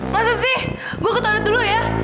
masa sih gue ketaruh dulu ya